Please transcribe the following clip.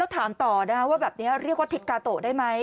ถามต่อว่าแบบนี้เรียกว่าทิศกาโตะได้ไหม